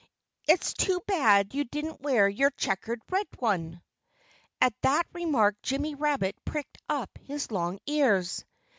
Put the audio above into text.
"It's too bad you didn't wear your checkered red one." At that remark Jimmy Rabbit pricked up his long ears.